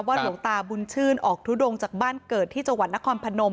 หลวงตาบุญชื่นออกทุดงจากบ้านเกิดที่จังหวัดนครพนม